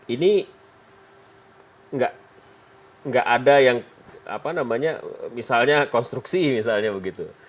ini nggak ada yang apa namanya misalnya konstruksi misalnya begitu